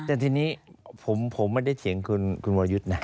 แต่ทีนี้ผมไม่ได้เถียงคุณวรยุทธ์นะ